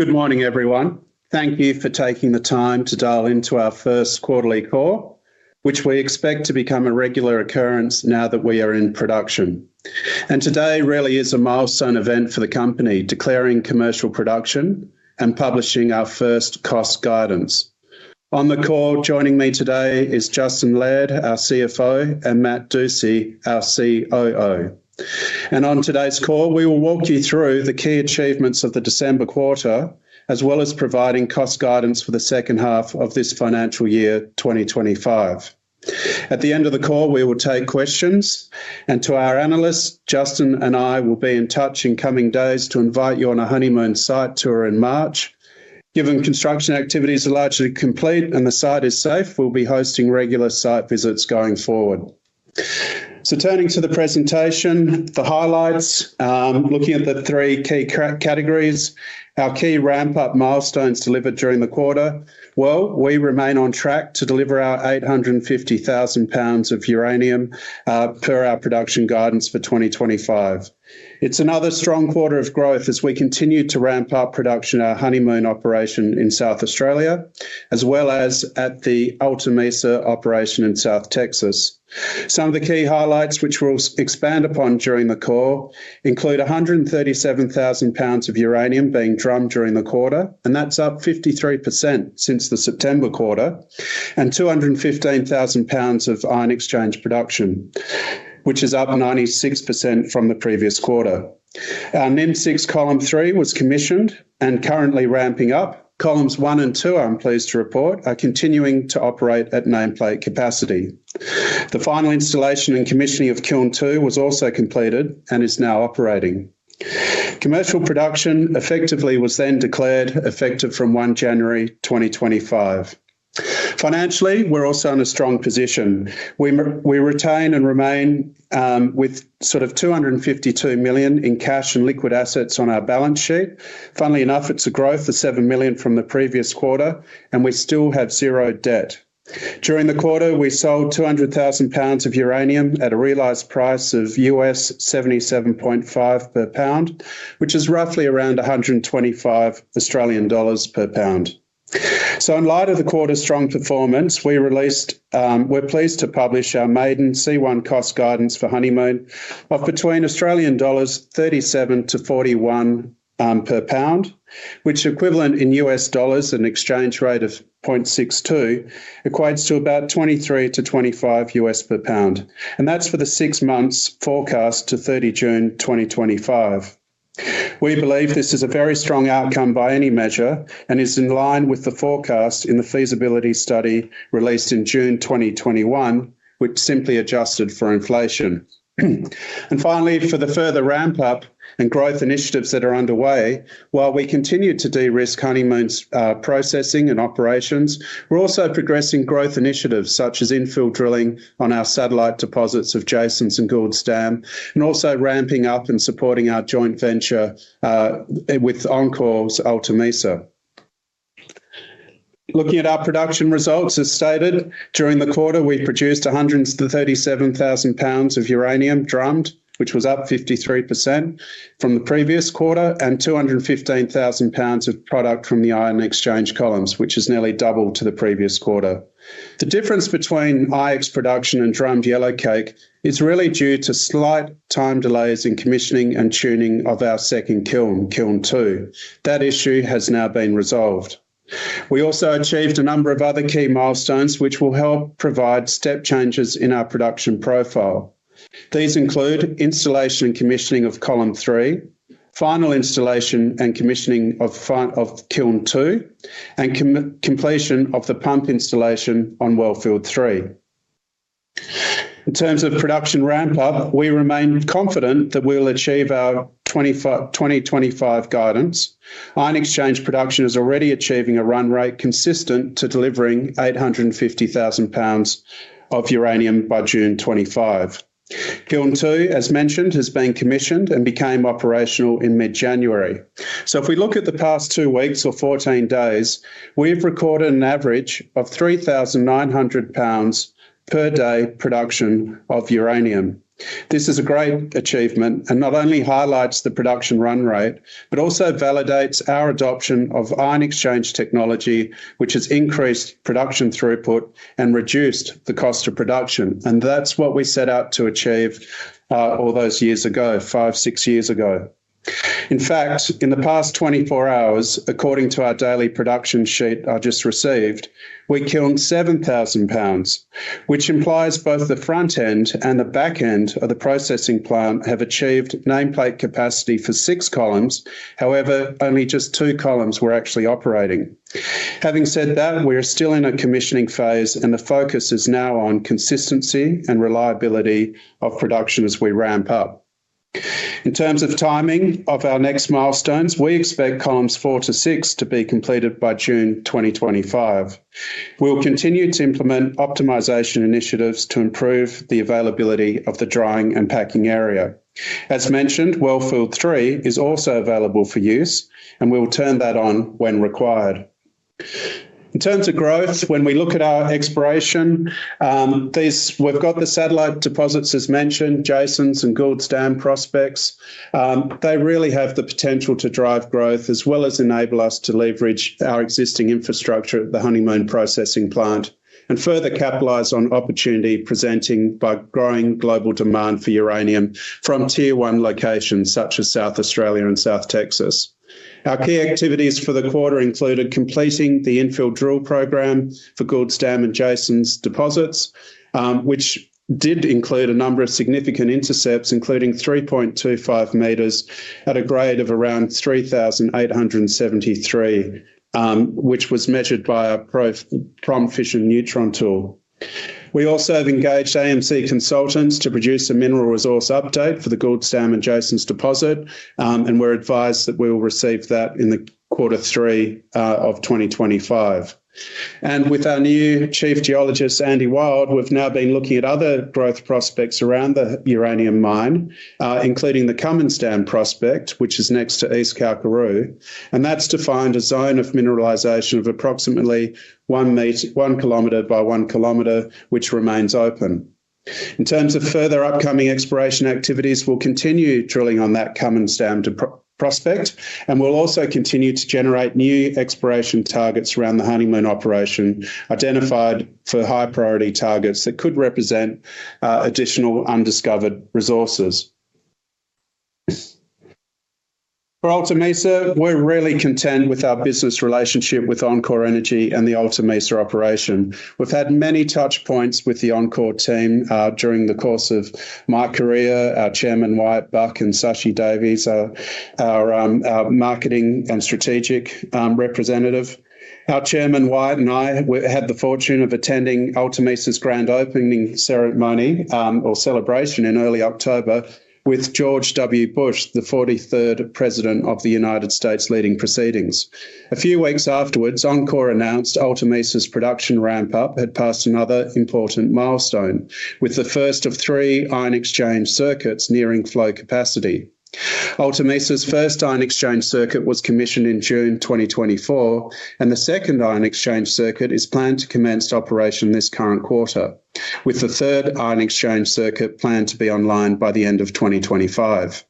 Good morning everyone. Thank you for taking the time to dial into our first quarterly call, which we expect to become a regular occurrence now that we are in production and today really is a milestone event for the company declaring commercial production and publishing our first cost guidance on the call. Joining me today is Justin Laird, our CFO, and Matt Dusci, our COO, and on today's call we will walk you through the key achievements of the December quarter as well as providing cost guidance for the second half of this financial year, 2025. At the end of the call we will take questions and to our analysts. Justin and I will be in touch in coming days to invite you on a Honeymoon site tour in March. Given construction activities are largely complete and the site is safe, we'll be hosting regular site visits going forward. So turning to the presentation, the highlights looking at the three key categories, our key ramp up milestones delivered during the quarter, we remain on track to deliver our 850,000 lbs of uranium per our production guidance for 2025. It's another strong quarter of growth as we continue to ramp up production, our Honeymoon operation in South Australia as well as at the Alta Mesa operation in South Texas. Some of the key highlights which we'll expand upon during the call include 137,000 lbs of uranium being drummed during the quarter and that's up 53% since the September and 215,000 lbs of ion exchange production which is up 96% from the previous quarter. Our NIMCIX column three was commissioned and currently ramping up columns one and two, I'm pleased to report are continuing to operate at nameplate capacity. The final installation and commissioning of kiln 2 was also completed and is now operating. Commercial production effectively was then declared effective from 1st January 2025. Financially, we're also in a strong position. We retain and remain with sort of 252 million in cash and liquid assets on our balance sheet. Funnily enough, it's a growth of 7 million from the previous quarter and we still have zero debt. During the quarter we sold 200,000 lbs of uranium at a realized price of $77.5 per lb, which is roughly around 125 Australian dollars per lb. In light of the quarter's strong performance, we're pleased to publish our maiden C1 cost guidance for Honeymoon of between 37-41 Australian dollars per pound, which equivalent in US dollars an exchange rate of 0.62 equates to about $23-$25 per pound and that's for the six months forecast to 30 June 2025. We believe this is a very strong outcome by any measure and is in line with the forecast in the feasibility study released in June 2021 which simply adjusted for inflation. Finally for the further ramp up and growth initiatives that are underway while we continue to de-risk Honeymoon processing and operations, we're also progressing growth initiatives such as infill drilling on our satellite deposits of Jason's and Gould's Dam and also ramping up and supporting our joint venture with enCore at Alta Mesa. Looking at our production results as stated, during the quarter we produced 137,000 lbs of uranium drummed which was up 53% from the previous quarter, and 215,000 lbs of product from the ion exchange columns which is nearly double to the previous quarter. The difference between IX production and drummed yellowcake is really due to slight time delays in commissioning and tuning of our second kiln, Kiln two. That issue has now been resolved. We also achieved a number of other key milestones which will help provide step changes in our production profile. These include installation and commissioning of column three, final installation and commissioning of kiln two and completion of the pump installation on Wellfield three. In terms of production ramp up, we remain confident that we will achieve our 2025 guidance. Ion exchange production is already achieving a run rate consistent, delivering 850,000 lbs of uranium by June 25. Kiln 2, as mentioned, has been commissioned and became operational in mid-January, so if we look at the past two weeks or 14 days, we have recorded an average of 3,900 lbs per day production of uranium. This is a great achievement and not only highlights the production run rate, but also validates our adoption of Ion exchange technology which has increased production throughput and reduced the cost of production, and that's what we set out to achieve all those years ago, five, six years ago in fact, in the past 24 hours, according to our daily production sheet I just received, we kilned 7,000 lbs which implies both the front end and the back end of the processing plant have achieved nameplate capacity for six columns. However, only just two columns were actually operating. Having said that, we are still in a commissioning phase and the focus is now on consistency and reliability of production. As we ramp up in terms of timing of our next milestones, we expect columns four to six to be completed by June 2025. We will continue to implement optimization initiatives to improve the availability of the drying and packing area. As mentioned, Wellfield 3 is also available for use and we will turn that on when required. In terms of growth, when we look at our exploration, we've got the satellite deposits as mentioned, Jason's and Gould's Dam prospects. They really have the potential to drive growth as well as enable us to leverage our existing infrastructure at the Honeymoon processing plant and further capitalize on opportunities presented by growing global demand for uranium from Tier one locations such as South Australia and South Texas. Our key activities for the quarter included completing the infill drill program for Gould's Dam and Jason's deposits, which did include a number of significant intercepts including 3.25 m at a grade of around 3873, which was measured by our prompt fission neutron tool. We also have engaged AMC Consultants to produce a mineral resource update for the Gould's Dam adjacent deposit and we're advised that we will receive that in the quarter three of 2025. With our new Chief Geologist Andy Wilde, we've now been looking at other growth prospects around the uranium mine, including the Cummins Dam prospect which is next to East Kalkaroo. That's to find a zone of mineralization of approximately one meter, one km by one km, which remains open. In terms of further upcoming exploration activities, we'll continue drilling on that Cummins Dam prospect and we'll also continue to generate new exploration targets around the Honeymoon operation, identified for high priority targets that could represent additional undiscovered resources for Alta Mesa. We're really content with our business relationship with enCore Energy and the Alta Mesa operation. We've had many touch points with the enCore team during the course of my career. Our Chairman Wyatt Buck and Sachi Davies, our marketing and strategic representative. Our chairman Wyatt and I had the fortune of attending Alta Mesa's grand opening ceremony or celebration in early October with George W. Bush, the 43rd president of the United States, leading proceedings. A few weeks afterwards, enCore announced Alta Mesa's production ramp up had passed another important milestone with the first of three ion exchange circuits nearing flow capacity. Alta Mesa's first ion exchange circuit was commissioned in June 2024 and the second ion exchange circuit is planned to commence operation this current quarter with the third ion exchange circuit planned to be online by the end of 2025.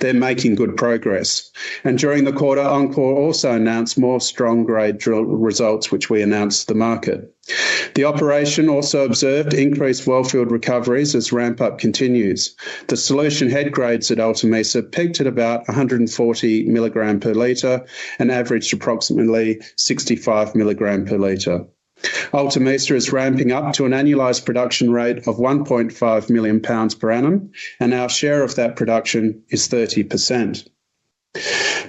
They're making good progress and during the quarter enCore also announced more strong grade drill results which we announced to the market. The operation also observed increased wellfield recoveries as ramp up continues. The solution head grades at Alta Mesa peaked at about 1 mg per liter and averaged approximately 65 mg per liter. Alta Mesa is ramping up to an annualized production rate of $1.5 million per annum and our share of that production is 30%.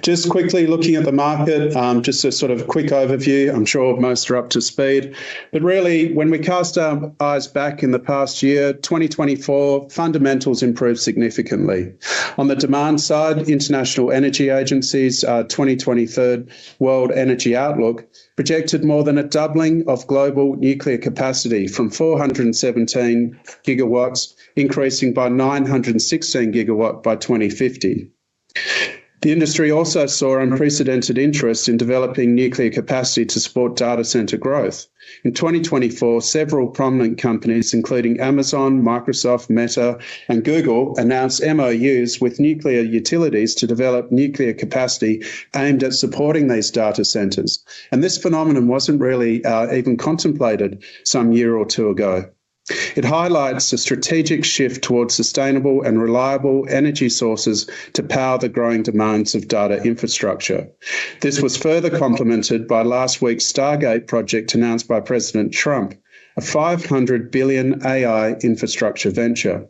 Just quickly looking at the market, just a sort of quick overview. I'm sure most are up to speed, but really when we cast our eyes back in the past year 2024 fundamentals improved significantly on the demand side. International Energy Agency's 2024 World Energy Outlook projected more than a doubling of global nuclear capacity from 417 gigawatts increasing by 916 GW by 2050. The industry also saw unprecedented interest in developing nuclear capacity to support data center growth in 2024. Several prominent companies including Amazon, Microsoft, Meta and Google announced MOUs with nuclear utilities to develop nuclear capacity aimed at supporting these data centers. This phenomenon wasn't really even contemplated some year or two ago. It highlights a strategic shift towards sustainable and reliable energy sources to power the growing demands of data infrastructure. This was further complemented by last week's Stargate project announced by President Trump, a $500 billion AI infrastructure venture.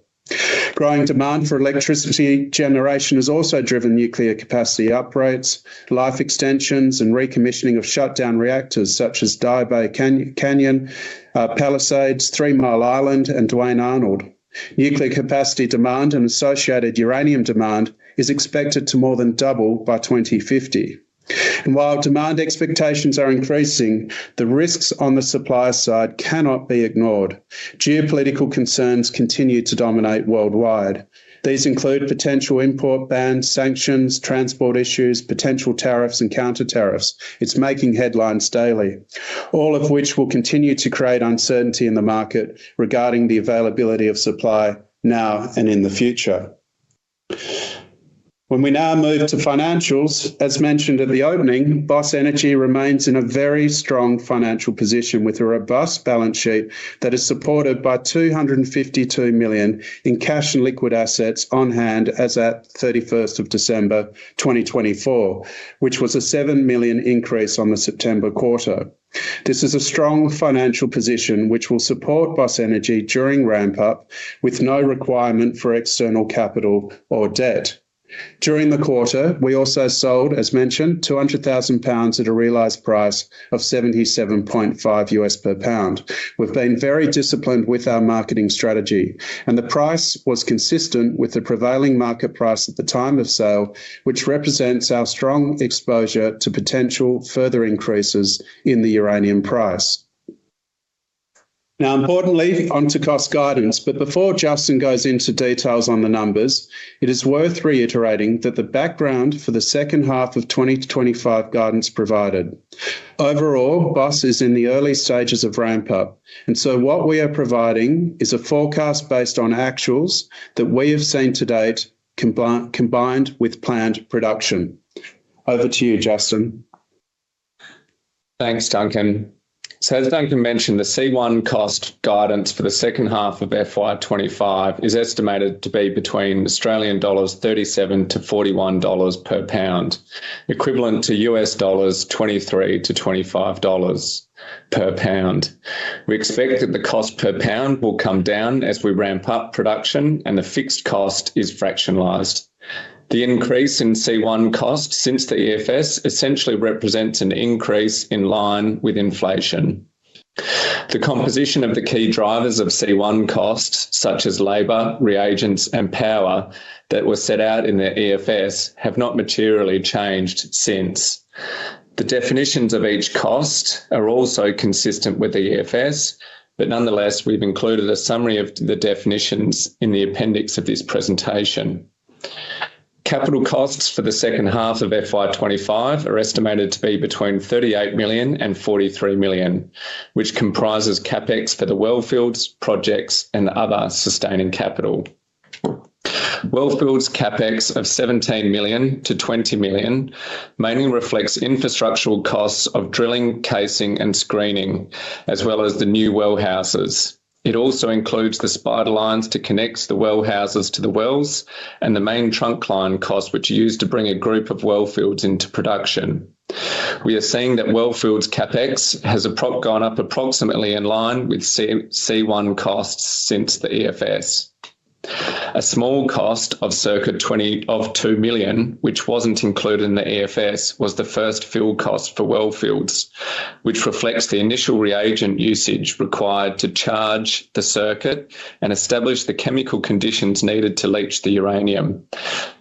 Growing demand for electricity generation has also driven nuclear capacity upgrades, life extensions and recommissioning of shutdown reactors such as Diablo Canyon, Palisades, Three Mile Island and Duane Arnold. Nuclear capacity demand and associated uranium demand is expected to more than double by 2050 and while demand expectations are increasing, the risks on the supply side cannot be ignored. Geopolitical concerns continue to dominate worldwide. These include potential import bans, sanctions, transport issues, potential tariffs and counter tariffs. It's making headlines daily, all of which will continue to create uncertainty in the market regarding the availability of supply now and in the future. When we now move to financials. As mentioned at the opening, Boss Energy remains in a very strong financial position with a robust balance sheet that is supported by AUD 252 million in cash and liquid assets on hand as at 31st of December 2024, which was a 7 million increase on the September quarter. This is a strong financial position which will support Boss Energy during ramp up with no requirement for external capital or debt during the quarter. We also sold as mentioned, 200,000 lbs at a realized price of $77.5 per pound. We've been very disciplined with our marketing strategy and the price was consistent with the prevailing market price at the time of sale, which represents our strong exposure to potential further increases in the uranium price. Now, importantly, onto cost guidance. But before Justin goes into details on the numbers, it is worth reiterating that the background for the second half of 2025 guidance provided. Overall, Boss is in the early stages of ramp up and so what we are providing is a forecast based on actuals that we have seen to date combined with planned production. Over to you, Justin. Thanks Duncan. So as Duncan mentioned, the C1 cost guidance for the second half of FY25 is estimated to be between 37-41 Australian dollars per pound equivalent to $23-$25 per pound. We expect that the cost per pound will come down as we ramp up production and the fixed cost is fractionalized. The increase in C1 cost since the EFS essentially represents an increase in line with inflation. The composition of the key drivers of C1 costs such as labor, reagents and power that were set out in the EFS have not materially changed since the definitions of each cost are also consistent with the EFS. But nonetheless we've included a summary of the definitions in the appendix of this presentation. Capital costs for the second half of FY25 are estimated to be between 38 million and 43 million, which comprises CapEx for the Wellfields projects and other sustaining capital. Wellfields CapEx of 17 million-20 million mainly reflects infrastructural costs of drilling, casing and screening as well as the new well houses. It also includes the spider lines to connect the well houses to the wells and the main trunk line costs which to bring a group of wellfields into production. We are seeing that Wellfields CapEx has gone up approximately in line with C1 costs since the EFS. A small cost of circa 20% of 2 million, which wasn't included in the EFS, was the first fuel cost for well fields, which reflects the initial reagent usage required to charge the circuit and establish the chemical conditions needed to leach the uranium.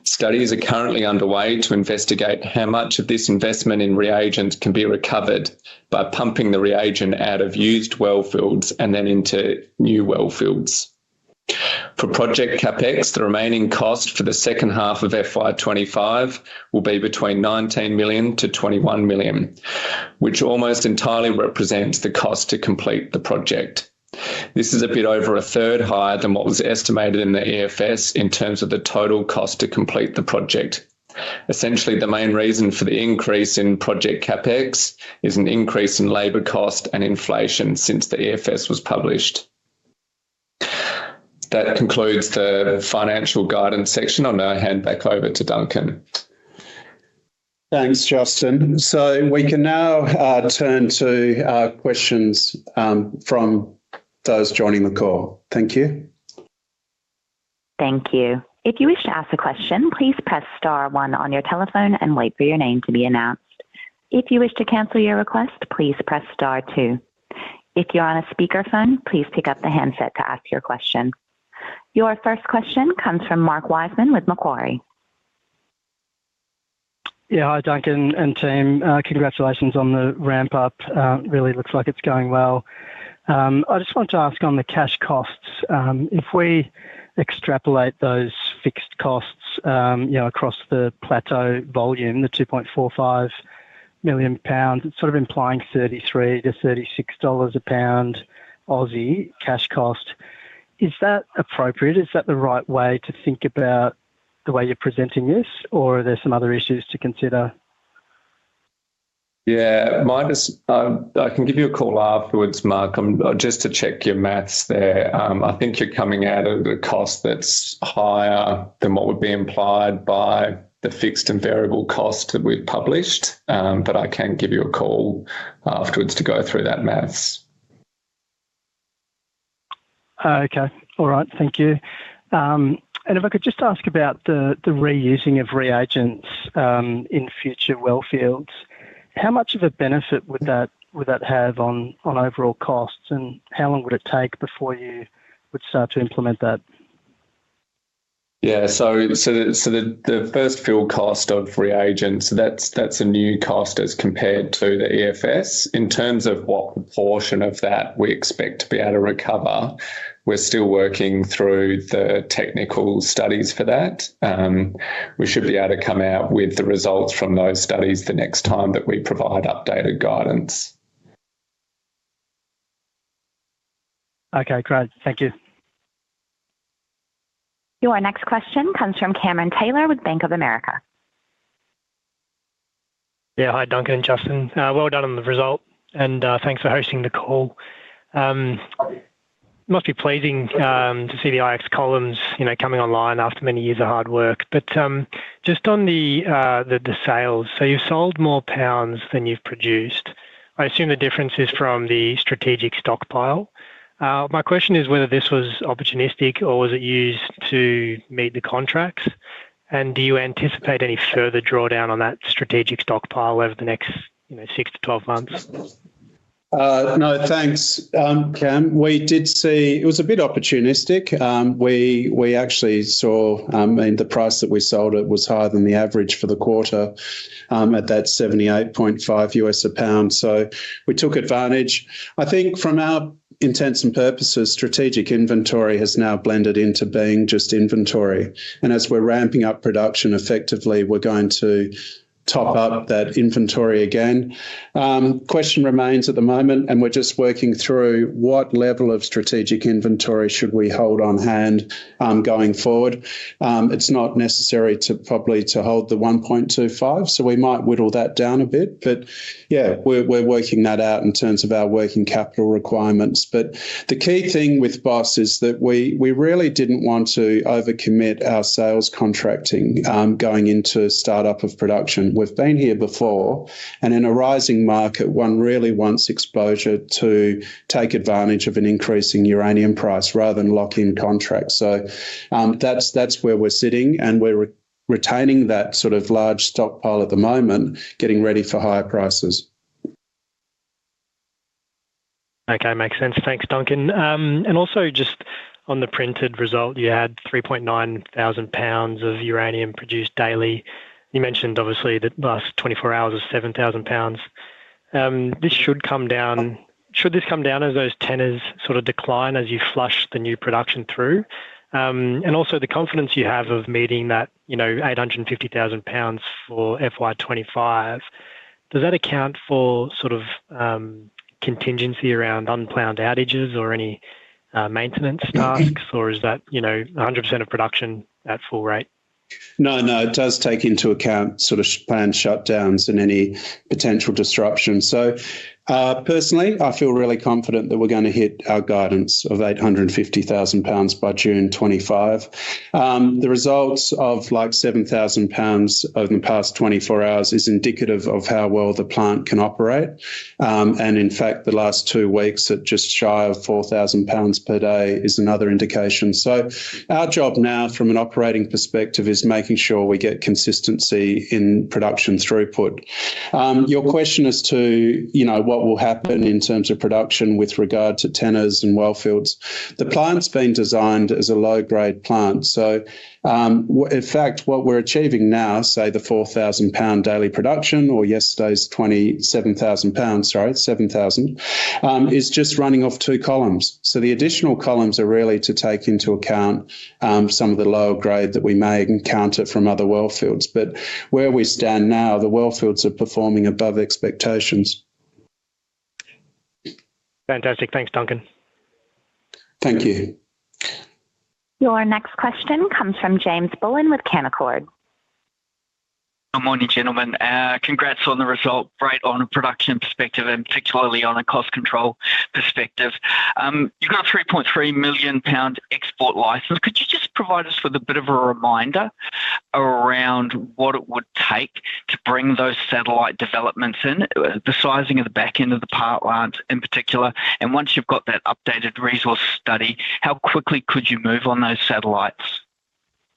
Studies are currently underway to investigate how much of this investment in reagent can be recovered by pumping the reagent out of used well fields and then into new well fields for project CapEx. The remaining cost for the second half of FY25 will be between 19 million-21 million, which almost entirely represents the cost to complete the project. This is a bit over a third higher than what was estimated in the EFS in terms of the total cost to complete the project. Essentially the main reason for the increase in project CapEx is an increase in labor cost and inflation since the EFS was published. That concludes the financial guidance section. I'll now hand back over to Duncan. Thanks, Justin. So we can now turn to questions from those joining the call. Thank you. Thank you. If you wish to ask a question, please press star 1 on your telephone and wait for your name to be announced. If you wish to cancel your request, please press star 2. If you're on a speakerphone, please pick up the handset to ask your question. Your first question comes from Mark Wiseman with Macquarie. Yeah, hi, Duncan and team. Congratulations on the ramp up. Really looks like it's going well. I just want to ask on the cash costs, if we extrapolate those fixed costs across the plateau volume, the 2.45 million lbs, it's sort of implying $33-$36 a pound Aussie cash cost. Is that appropriate? Is that the right way to think about the way you're presenting this, or are there some other issues to consider? Yeah, I can give you a call afterwards, Mark, just to check your math there. I think you're coming out of the cost that's higher than what would be implied by the fixed and variable cost that we've published. But I can give you a call afterwards to go through that math. Okay, all right, thank you. And if I could just ask about the reusing of reagents in future wellfields, how much of a benefit would that have on overall costs and how long would it take before you would start to implement that? Yeah, so the first fuel cost of reagents, that's a new cost as compared to the EFS in terms of what proportion of that we expect to be able to recover. We're still working through the technical studies for that. We should be able to come out with the results from those studies the next time that we provide updated guidance. Okay, great, thank you. Your next question comes from Cameron Taylor with Bank of America. Yeah, hi, Duncan and Justin, well done on the result and thanks for hosting the call. Must be pleasing to see the IX columns coming online after many years of hard work. But just on the sales. So you've sold more pounds than you've produced. I assume the difference is from the strategic stockpile. My question is whether this was opportunistic or was it used to meet the contracts? And do you anticipate any further drawdown on that strategic stockpile over the next six to 12 months? No, thanks, Cam. We did see it was a bit opportunistic. We actually saw the price that we sold. It was higher than the average for the quarter at that $78.5 a pound. So we took advantage. I think, from our intents and purposes, strategic inventory has now blended into being just inventory. And as we're ramping up production effectively, we're going to top up that inventory. Again, question remains at the moment and we're just working through what level of strategic inventory should we hold on hand going forward? It's not necessary to probably to hold the 1.25, so we might whittle that down a bit. But yeah, we're working that out in terms of our working capital requirements. But the key thing with BOSS is that we, we really didn't want to over commit our sales contracting going into startup of production. We've been here before and in a rising market, one really wants exposure to take advantage of an increasing uranium price rather than lock in contracts. So that's, that's where we're sitting and we're retaining that sort of large stockpile at the moment, getting ready for higher prices. Okay, makes sense. Thanks, Duncan. And also just on the production result, you had 3.9 thousand pounds of uranium produced daily. You mentioned obviously the last 24 hours of 7,000 lbs. This should come down, should this come down as those tenors sort of decline as you flush the new production through? And also the confidence you have of meeting that, you know, 850,000 lbs for FY2025, does that account for sort of contingency around unplanned outages or any maintenance tasks or is that, you know, 100% of production at full rate? No, no, it does take into account sort of planned shutdowns and any potential disruption. So personally I feel really confident that we're going to hit our guidance of 850,000 lbs by June 2025. The results of like 7,000 lbs over the past 24 hours is indicative of how well the plant can operate. And in fact, the last two weeks at just shy of 4,000 lbs per day is another indication. So our job now from an operating perspective is making sure we get consistency in production throughput. Your question as to, you know, what will happen in terms of production with regard to tenors and well fields. The plant's been designed as a low grade plant. So in fact what we're achieving now, say the 4,000lbs daily production or yesterday's 27,000 lbs, sorry, 7,000 is just running off two columns. So the additional columns are really to take into account some of the lower grade that we may encounter from other wellfields. But where we stand now, the wellfields are performing above expectations. Fantastic. Thanks, Duncan. Thank you. Your next question comes from James Bullen with Canaccord. Good morning, gentlemen. Congrats on the result. Right. On a production perspective and particularly on a cost control perspective, you got a 3.3 million lbs export license. Could you just provide us with a bit of a reminder around what it would take to bring those satellite developments in, the sizing of the back end of the plant in particular. And once you've got that updated resource study, how quickly could you move on those satellites?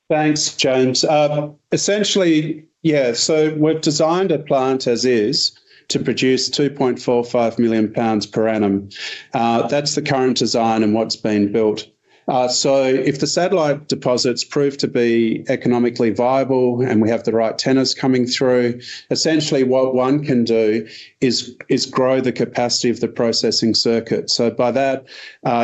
Thanks, James. Essentially, yeah, so we've designed a plant as is to produce 2.45 million pounds per annum. That's the current design and what's been built. So if the satellite deposits prove to be economically viable and we have the right tenor coming through, essentially what one can do is grow the capacity of the processing circuit. So by that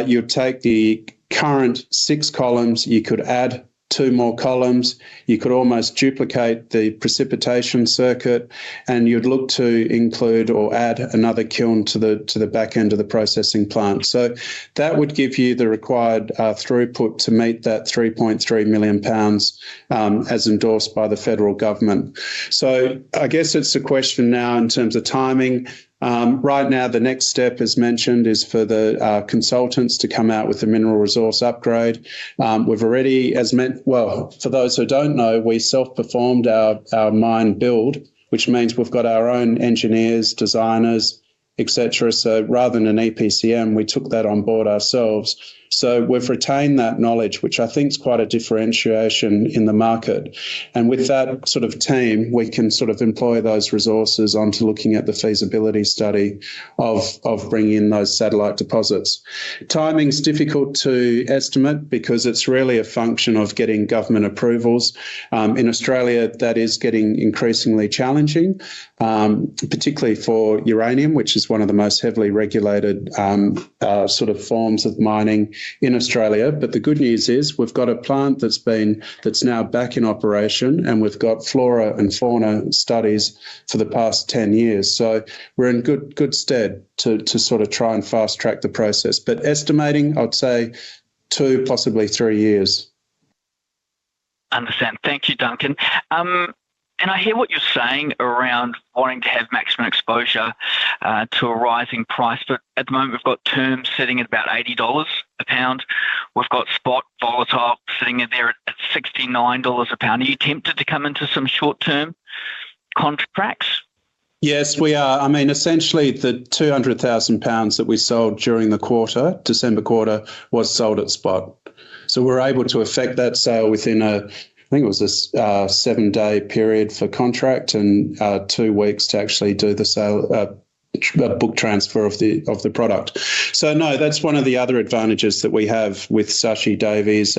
you take the current six columns, you could add two more columns, you could almost duplicate the precipitation circuit and you'd look to include or add another kiln to the back end of the processing plant. So that would give you the required throughput to meet 3.3 million lbs as endorsed by the Federal government. So I guess it's a question now in terms of timing. Right now the next step as mentioned is for the consultants to come out with a mineral resource upgrade. We've already, as mentioned. For those who don't know, we self performed our mine build, which means we've got our own engineers, designers, etc. So rather than an EPCM, we took that on board ourselves. So we've retained that knowledge, which I think is quite a differentiation in the. And with that sort of team we can sort of employ those resources onto looking at the feasibility study of bringing in those satellite deposits. Timing's difficult to estimate because it's really a function of getting government approvals in Australia that is getting increasingly challenging, particularly for uranium, which is one of the most heavily regulated sort of forms of mining in Australia. The good news is we've got a plant that's now back in operation and we've got flora and fauna studies for the past 10 years. So we're in good stead to sort of try and fast track the process. But estimating I'd say two, possibly three years. Understood, thank you, Duncan. And I hear what you're saying around wanting to have maximum exposure to a rising price. But at the moment we've got terms sitting at about $80 a pound. We've got spot volatility sitting there at $69 a pound. Are you tempted to come into some short term contracts? Yes, we are. I mean essentially the 200,000 lbsthat we sold during the quarter December quarter was sold at spot. So we're able to affect that sale within a I think it was a seven-day period for contract and two weeks to actually do the sale book transfer of the of the product. So, no, that's one of the other advantages that we have with Sachi Davies.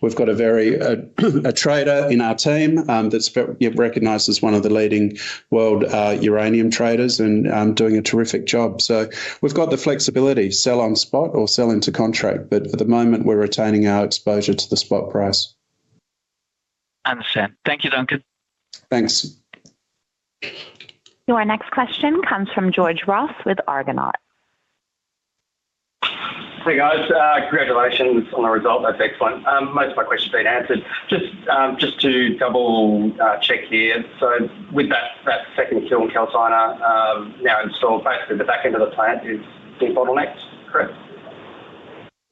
We've got a trader in our team that's recognized as one of the leading world uranium traders and doing a terrific job. So we've got the flexibility sell on spot or sell into contract. But for the moment we're retaining our exposure to the spot price. Understand? Thank you, Duncan. Thanks. Your next question comes from George Ross with Argonaut. Hey, guys. Congratulations on the result. That's excellent. Most of my questions have been answered just to double check here. So with that second kiln calciner now installed, basically the back end of the plant is the bottlenecked, correct?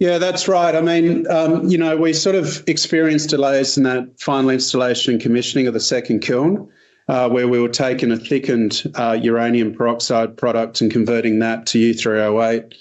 Yeah, that's right. I mean, you know, we sort of experienced delays in that final installation and commissioning of the second kiln, where we were taking a thickened uranium peroxide product and converting that to U3O8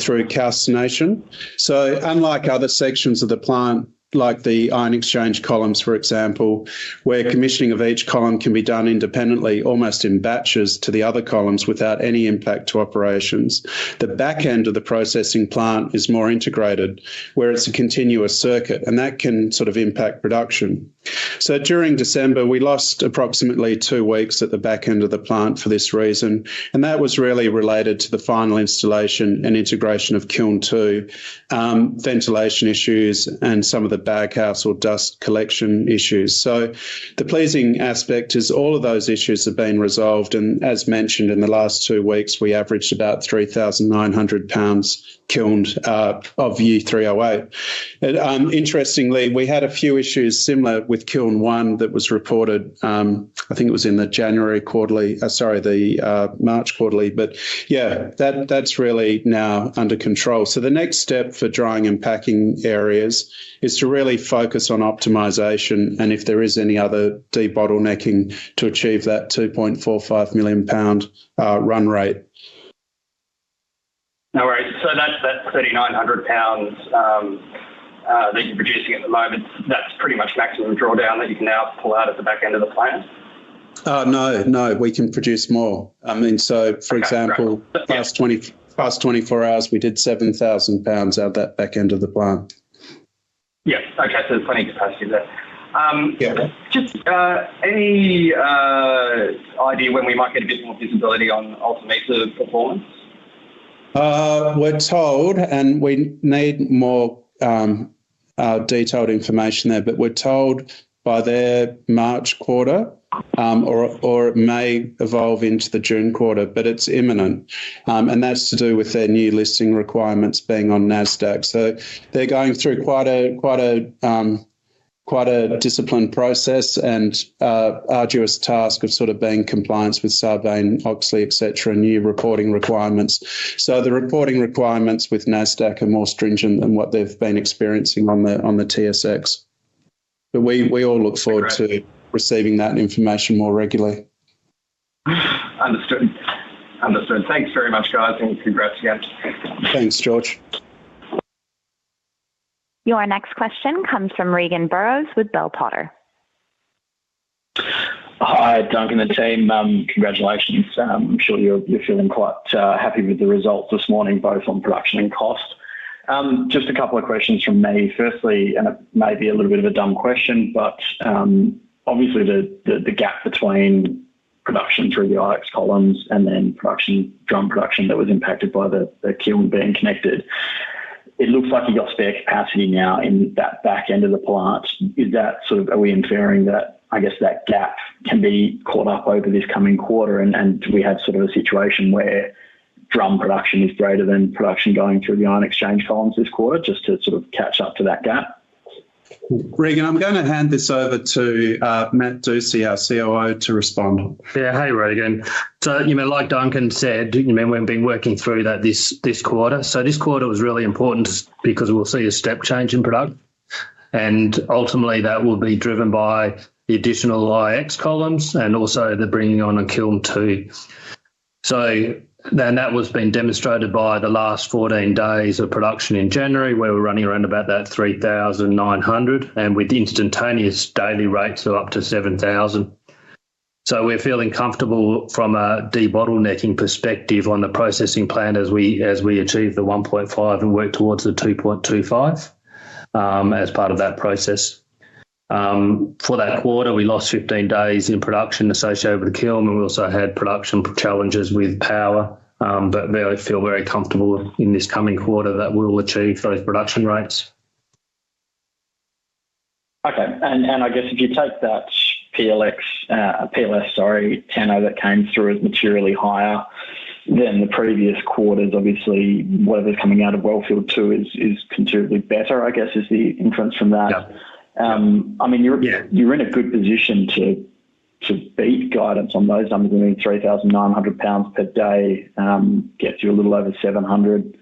through calcination. So unlike other sections of the plant, like the Ion Exchange columns, for example, where commissioning of each column can be done independently almost in batches to the other columns without any impact to operations, the back end of the processing plant is more integrated where it's a continuous circuit and that can sort of impact production. So during December, we lost approximately two weeks at the back end of the plant for this reason. And that was really related to the final installation and integration of kiln two ventilation issues and some of the baghouse or dust collection. So the pleasing aspect is all of those issues have been resolved. As mentioned, in the last two weeks we averaged about 3,900 kilned U3O8. Interestingly, we had a few issues similar with kiln. One that was reported, I think it was in the January quarterly. Sorry, the March quarterly. But yeah, that's really now under control. So the next step for drying and packing areas is to really focus on optimization and if there is any other bottlenecking to achieve that 2.45 million lbs run rate. All right, so that's that $3,900 that you're producing at the moment. That's pretty much maximum drawdown that you can now pull out at the back end of the plant. No, no, we can produce more. I mean, so for example, past 24 hours we did 7,000 lbs out that back end of the plant. Yes. Okay, so there's plenty of capacity there. Just any idea when we might get a bit more visibility on Alta Mesa performance? We're told, and we need more detailed information there, but we're told by their March quarter, or it may evolve into the June quarter, but it's imminent, and that's to do with their new listing requirements being on Nasdaq. So they're going through quite a disciplined process and arduous task of sort of being in compliance with Sarbanes-Oxley, et cetera, new reporting requirements, so the reporting requirements with Nasdaq are more stringent than what they've been experiencing on the TSX. But we all look forward to receiving that information more regularly. Understood. Understood. Thanks very much, guys, and congrats again. Thanks, George. Your next question comes from Regan Burrows with Bell Potter. Hi, Duncan. The team, congratulations. I'm sure you're feeling quite happy with the results this morning both on production and cost. Just a couple of questions from me firstly, and it may be a little bit of a dumb question, but obviously the gap between production through the IX columns and then production, drum production, that was impacted by the kiln being connected. It looks like you got spare capacity now in that back end of the plant. Is that sort of. Are we inferring that, I guess that gap can be caught up over this coming quarter and do we have sort of a situation where drum production is greater than production going through the Ion Exchange columns this quarter just to sort of catch up to that gap? Regan, I'm going to hand this over to Matt Dusci, our COO, to respond. Yeah. Hey, Regan. So, you know, like Duncan said, you mean, we've been working through that. This quarter was really important because we'll see a step change in product and ultimately that will be driven by the additional IX columns and also the bringing on a kiln two. So, then that was being demonstrated by the last 14 days of production in. January, where we're running around about that 3,900 and with instantaneous simultaneous daily rates of up to 7,000. So we're feeling comfortable from a debottlenecking perspective on the processing plant as we achieve the 1.5 and work towards the 2.25 as part of that process. For that quarter, we lost 15 days in production associated with the kiln and we also had production challenges with power, but feel very comfortable in this coming quarter that we'll achieve those production rates. Okay. And I guess if you take that tenor. That came through as materially higher than the previous quarters. Obviously, whatever's coming out of Wellfield 2 is considerably better, I guess, is the inference from that. I mean, you're in a good position to beat guidance on those numbers. I mean, $3,900 per day gets you a little over 700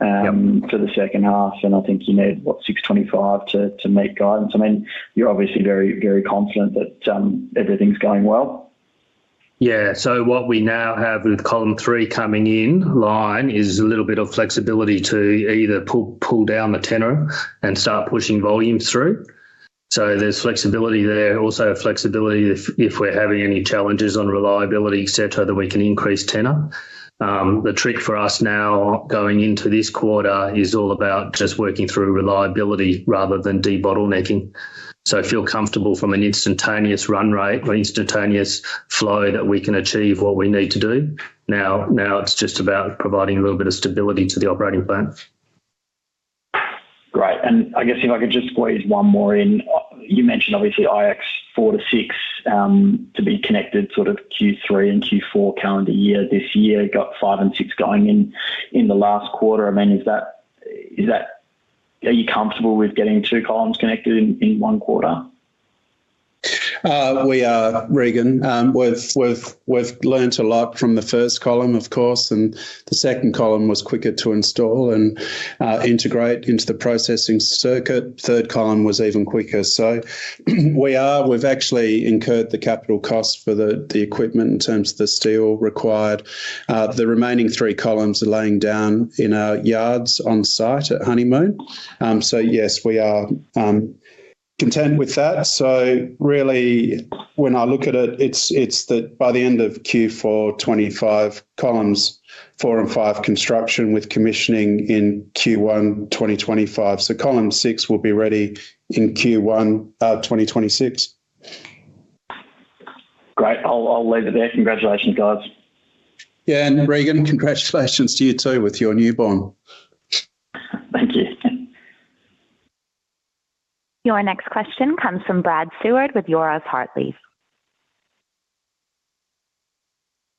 for the second half. And I think you need what, 625 to make guidance. I mean, you're obviously very, very confident that everything's going well. Yeah. So, what we now have with column three coming in line is a little bit of flexibility to either pull down the tenor and start pushing volumes through. So there's flexibility there also flexibility. If we're having any challenges on reliability, et cetera, that we can increase tenor. The trick for us now going into this quarter is all about just working through reliability rather than debottlenecking. So feel comfortable from an instantaneous run rate or instantaneous flow that we can achieve. What we need to do now, it's just about providing a little bit of stability to the operating plan. Great. And I guess if I could just squeeze one more in. You mentioned, obviously IX 4 to 6 to be connected sort of Q3 and Q4 calendar year, this year getting 5 and 6 going in the last quarter. I mean, are you comfortable with getting two columns connected in one quarter? We are, Regan. We've learned a lot from the first column, of course, and the second column was quicker to install and integrate into the processing circuit. Third column was even quicker. So we are. We've actually incurred the capital costs for the equipment in terms of the steel required. The remaining three columns are lying down in our yards on site at Honeymoon. So yes, we are content with that. So really when I look at it, it's that by the end of Q4 2025, columns four and five construction with commissioning in Q1 2025. So column 6 will be ready in Q1 2026. Great. I'll leave it there. Congratulations, guys. Yeah, and Regan, congratulations to you too with your newborn. Thank you. Your next question comes from Brad Seward with Euroz Hartleys.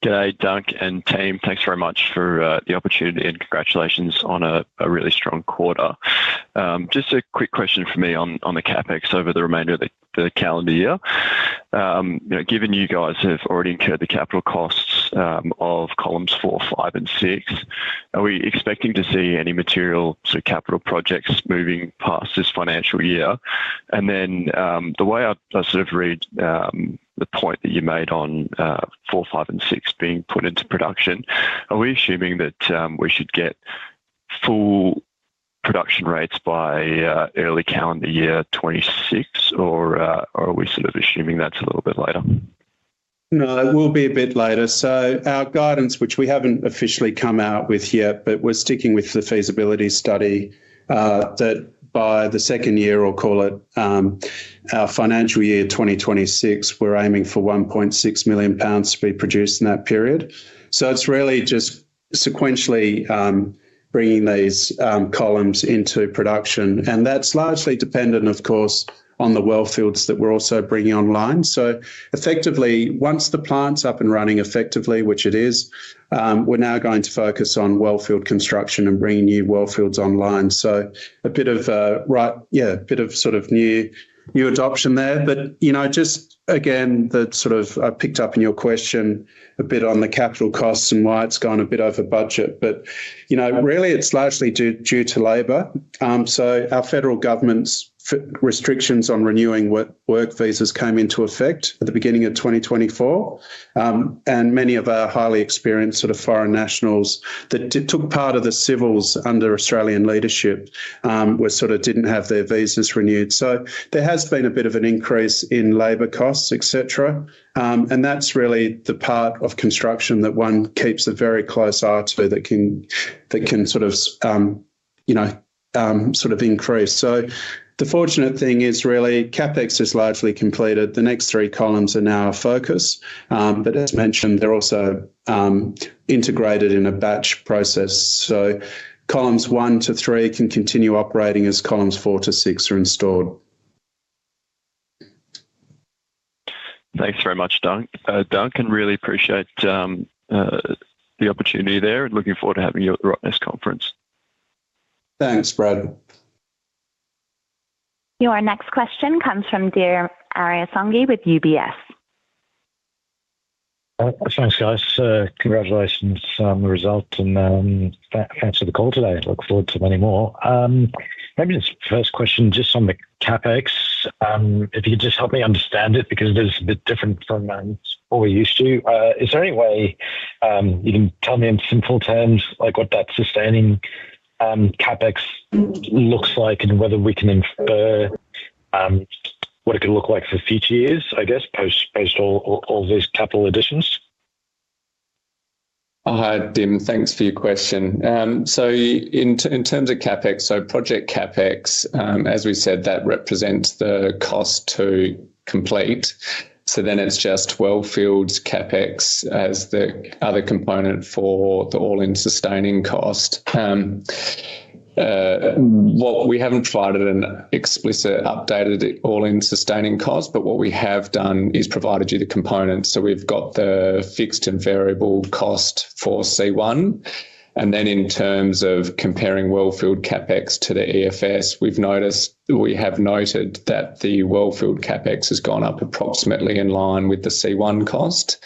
G'day, Duncan and team. Thanks very much for the opportunity and congratulations on a really strong quarter. Just a quick question for me on the CapEx over the remainder of the calendar year. Given you guys have already incurred the capital costs of columns four, five, and six, are we expecting to see any material capital projects moving past this financial year? And then the way I sort of read the point that you made on four, five, and six being put into production, are we assuming that we should get full production rates by early calendar year 2026 or are we sort of assuming that's a little bit later? No, it will be a bit later. So our guidance, which we haven't officially come out with yet but we're sticking with the feasibility study that by the second year, I'll call it our financial year 2026, we're aiming for AUD 1.6 million to be produced in that period. So it's really just sequentially bringing these columns into production and that's largely dependent of course on the well fields that we're also bringing online. So effectively, once the plant's up and running, effectively which it is, we're now going to focus on well field construction and bringing new well fields online. Right, yeah a bit of sort of new adoption there but you know, just again that sort of. I picked up in your question a bit on the capital costs and why it's gone a bit over budget, but you know really it's largely due to labor, so our federal government's restrictions on renewing work visas came into effect at the beginning of 2024 and many of our highly experienced sort of foreign nationals that took part of the civils under Australian leadership sort of didn't have their visas renewed, so there has been a bit of an increase in labor costs except. Etc., and that's really the part of construction that one keeps a very close eye to that can sort of, you know, sort of increase. So the fortunate thing is really CapEx is largely completed. The next three columns are now a focus, but as mentioned, they're also integrated in a batch process, so columns one to three can continue operating as columns four to six are installed and stored. Thanks very much Duncan, really appreciate the opportunity there and looking forward to having you at the Rottnest conference. Thanks Brad. Your next question comes from Dim Ariyasinghe with UBS. Thanks, guys, congratulations on the result and thanks for the call today. Look forward to many more. Maybe this first question just on the CapEx if just help me understand it because it is a bit different from what we're used to. Is there any way you can tell me in simple terms like what that sustaining CapEx looks like and whether we can infer what it could look like for future years I guess post all these capital additions. Dim, thanks for your question. In terms of CapEx, so Project CapEx, as we said, that represents the cost to complete. Then it's just wellfield CapEx as the other component for the all-in sustaining cost. We haven't provided an explicit updated all-in sustaining cost, but what we have done is provided you the components. We've got the fixed and variable cost for C1. Then in terms of comparing wellfield CapEx to the EFS, we've not noticed. We have noted that the wellfield CapEx has gone up approximately in line with the C1 cost.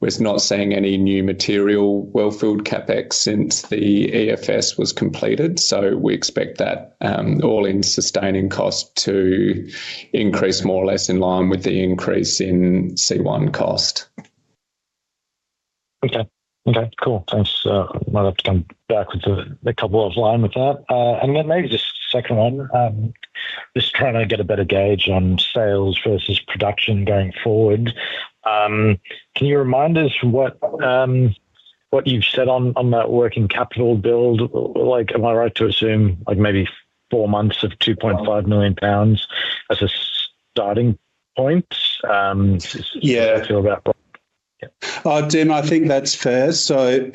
We're not seeing any new material wellfield CapEx since the EFS was completed. We expect that all-in sustaining cost to increase more or less in line with the increase in C1 cost. Okay. Okay, cool, thanks. I'll have to come back with a couple of lines with that and then maybe just a second one. Just trying to get a better gauge on sales versus production going forward. Can you remind us what you've said on that working capital build? Like, am I right to assume like maybe four months of AUD 2.5 million as a starting point? How do you feel about Tim? I think that's fair. So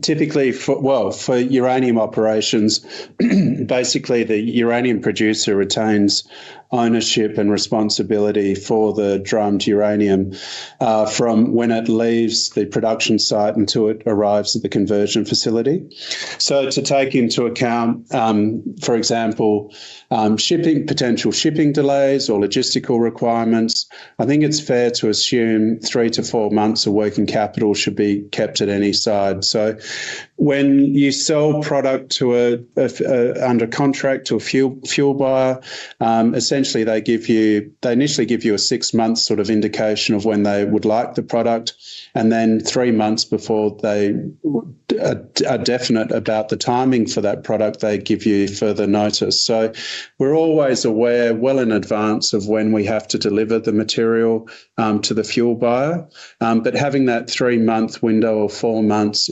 typically, well for uranium operations, basically the uranium producer retains ownership and responsibility for the drummed uranium from when it leaves the production site until it arrives at the conversion facility. So to take into account for example potential shipping delays or logistical requirements, I think it's fair to assume three to four months of working capital should be kept on hand. So when you sell product under contract to a fuel buyer, they initially essentially give you a six month sort of indication of when they would like the product and then three months before they are definite about the timing for that product, they give you further notice. So we're always aware well in advance of when we have to deliver the material to the fuel buyer. But having that three-month window or four months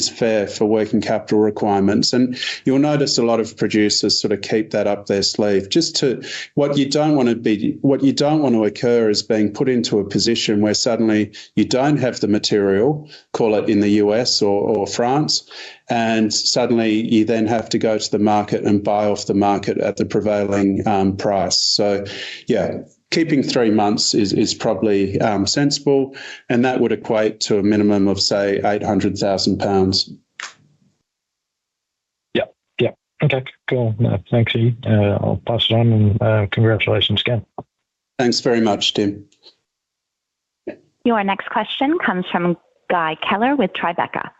is fair for working capital requirements. And you'll notice a lot of producers sort of keep that up their sleeve just to what you don't want to be, what you don't want to occur is being put into a position where suddenly you don't have the material. Call it in the U.S. or France and suddenly you then have to go to the market and buy off the market at the prevailing price. So yeah, keeping three months is probably sensible. And that would equate to a minimum of say 800,000 lbs. Yeah, yeah. Okay, cool. Thanks Craib. I'll pass it on, and congratulations. Thanks very much. Dim. Your next question comes from Guy Keller with Tribeca.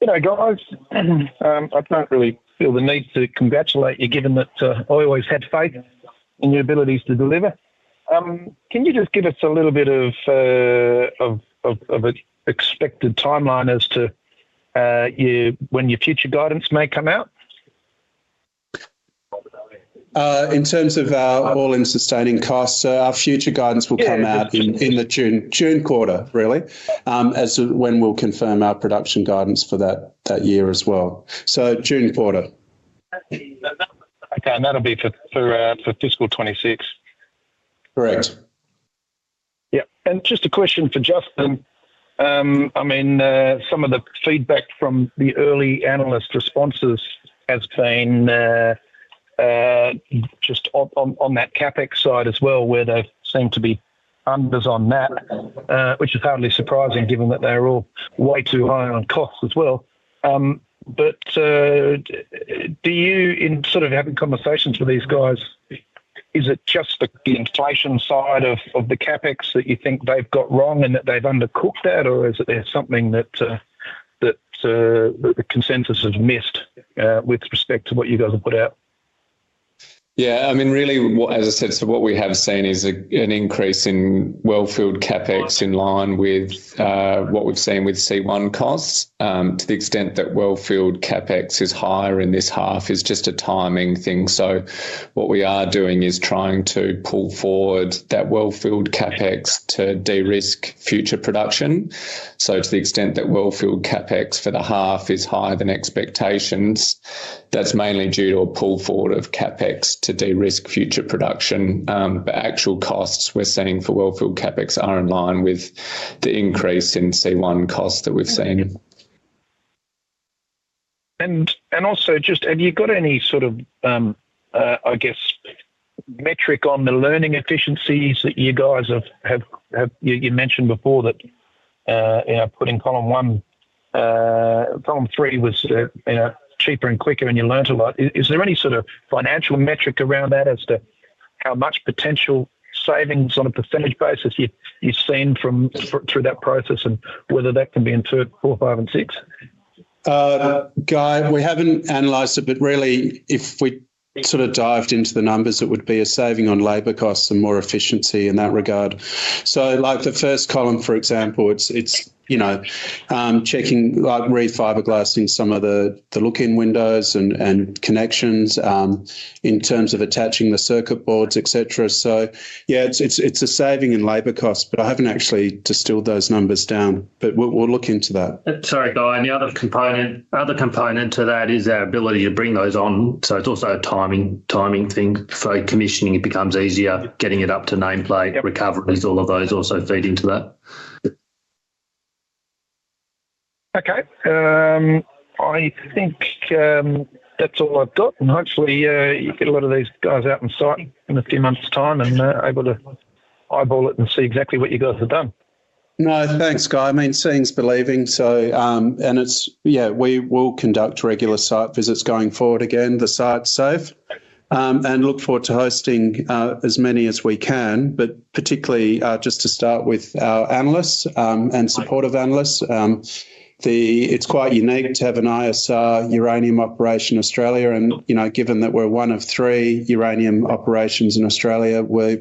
You know guys, I don't really feel the need to congratulate you given that I always had faith in your abilities to deliver. Can you just give us a little bit of an expected timeline as to when your future guidance may come out? In terms of our All-In Sustaining Costs? Our future guidance will come out in the June quarter. Really? As when? We'll confirm our production guidance for that year as well. So June quarter, okay. And that'll be for fiscal 2026, correct? Yeah. And just a question for Justin. I mean some of the feedback from the early analyst responses has been just on that CapEx side as well, where they seem to be unders on that, which is hardly surprising given that they're all way too high on costs as well. But do you in sort of having conversations with these guys, is it just the inflation side of the CapEx that you think they've got wrong and that they've undercooked that or is it there something that, that the consensus has missed with respect to what you guys have put out? Yeah, I mean really as I said, so what we have seen is an increase in wellfield CapEx in line with what we've seen with C1 costs. To the extent that wellfield CapEx is higher in this half is just a timing thing. So what we are doing is trying to pull forward that wellfield CapEx to de-risk future production. So to the extent that wellfield CapEx for the half is higher than expectations, that's mainly due to a pull forward of CapEx to de-risk future production. But actual costs we're seeing for wellfield CapEx are in line with the increase in C1 costs that we've seen. And also, just have you got any sort of—I guess—metric on the learning efficiencies that you guys have? You mentioned before that putting column one, column three was cheaper and quicker and you learned a lot. Is there any sort of financial metric around that as to how much potential savings on a percentage basis you've seen through that process and whether that can be inferred? four, five and six, Guy. We haven't analyzed it but really if we sort of dived into the numbers it would be a saving on labor costs and more efficiency in that regard. So like the first column for example it's you know checking like refiberglassing some of the look in windows and connections in terms of attaching the circuit boards etc. So yeah it's a saving in labor costs but I haven't actually distilled those numbers down but we'll look into that. Sorry guy. The other component to that is our ability to bring those on, so it's also a timing thing for commissioning. It becomes easier getting it up to nameplate recoveries, all of those also things into that. Okay, I think that's all I've got. Hopefully you get a lot of these guys out on site in a few months' time and able to eyeball it and see exactly what you guys have done. No thanks, guy. I mean, seeing's believing. Yeah, we will conduct regular site visits going forward. Again, the site's safe and look forward to hosting as many as we can. But particularly just to start with our analysts and supportive analysts. It's quite unique to have an ISR uranium operation Australia. And you know, given that we're one of three uranium operations in Australia, we're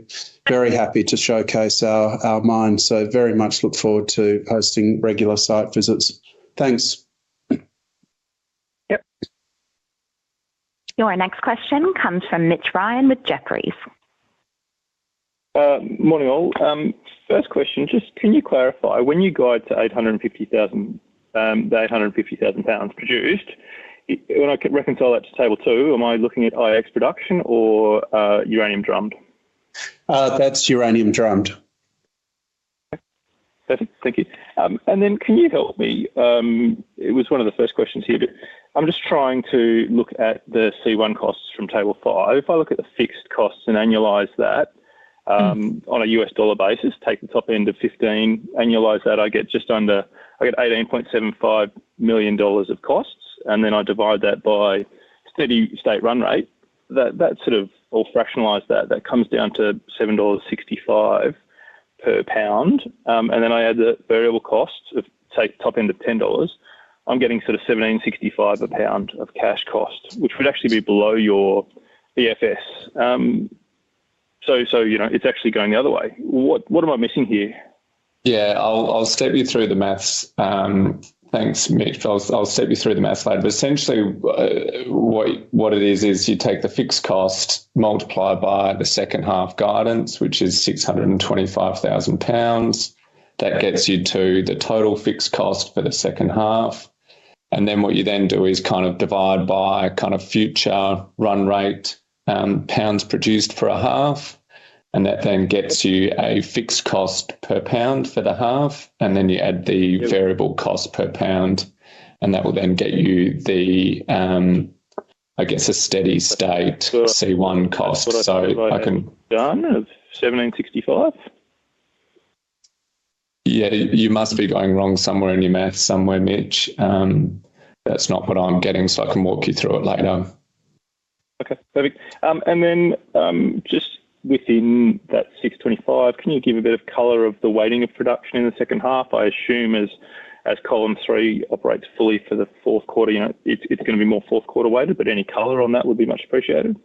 very happy to showcase our mine. So very much look forward to hosting regular site visits. Thanks. Yep. Your next question comes from Mitch Ryan with Jefferies. Morning, all. First question, just can you clarify when you guide to 850,000 lbs produced? When I reconcile that to table two, am I looking at IX production or uranium drummed? That's uranium drummed. Perfect. Thank you, and then can you help me? It was one of the first questions here, but I'm just trying to look at the C1 costs from Table five. So if I look at the fixed costs and annualize that on a US dollar basis, take the top end of 15, annualize that, I get just under, I get $18.75 million of costs, and then I divide that by steady state run rate, that sort of all fractionalize that, that comes down to $7.65 per pound. And then I add the variable cost of take top end of $10. I'm getting sort of $17.65 a pound of cash cost, which would actually be below your EFS. So, you know, it's actually going the other way. What am I missing here? Yeah, I'll step you through the math. Thanks, Mitch. I'll step you through the math later. But essentially what it is, you take the fixed cost multiplied by the second half guidance, which is AUD 625,000, that gets you to the total fixed cost for the second half. And then what you then do is kind of divide by kind of future run rate, pounds produced for a half, and that then gets you a fixed cost per pound for the half. And then you add the variable cost per pound, and that will then get you the, I guess a steady state C1 cost. So I can 1765. Yeah, you must be going wrong somewhere in your math somewhere, Mitch. That's not what I'm getting. So I can walk you through it later. Okay, perfect. And then just within that, 625. Can you give a bit of color of the weighting of production in the second half? I assume as column three operates fully for the fourth quarter. You know, it's going to be more fourth quarter weighted, but any color on that would be much appreciated.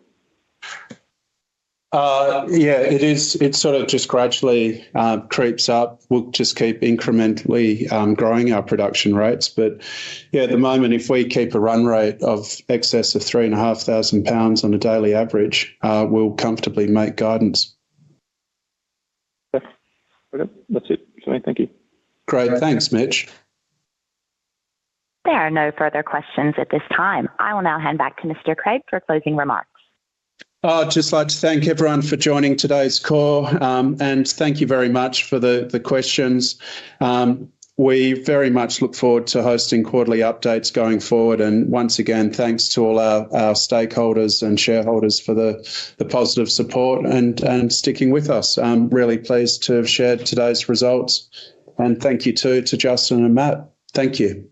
Yeah, it is. It sort of just gradually creeps up. We'll just keep incrementally growing our production rates. But, yeah, at the moment, if we keep a run rate in excess of 3,500 lbs on a daily average, we'll comfortably make guidance. That's it. Thank you. Great. Thanks, Mitch. There are no further questions at this time. I will now hand back to Mr. Craib for closing. I'd just like to thank everyone for joining today's call and thank you very much for the questions. We very much look forward to hosting quarterly updates going forward. And once again, thanks to all our stakeholders and shareholders for the positive support and sticking with us. Really pleased to have shared today's results. And thank you too, to Justin and Matt. Thank you.